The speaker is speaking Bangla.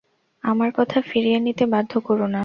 আমার কথা ফিরিয়ে নিতে বাধ্য করো না।